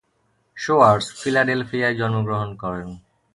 Schwarz ফিলাডেলফিয়ায় জন্মগ্রহণ করেন।